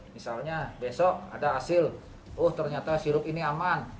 misalnya besok ada hasil oh ternyata sirup ini aman